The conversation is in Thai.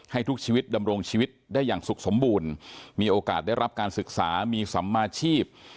ให้ทุกชีวิตดำรงชีวิตได้อย่างสุขสมบูรณ์มีโอกาสได้รับการศึกษามีสัมมาชีพ